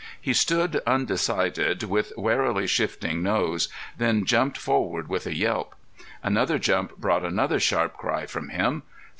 He stood undecided with warily shifting nose, then jumped forward with a yelp. Another jump brought another sharp cry from him.